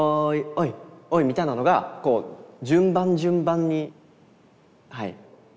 みたいなのがこう順番順番にはい。